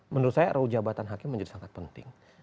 menurut saya ruu jabatan hakim menjadi sangat penting